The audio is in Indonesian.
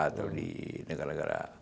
atau di negara negara